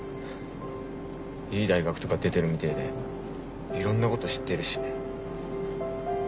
いい大学とか出てるみてぇでいろんなこと知ってるし。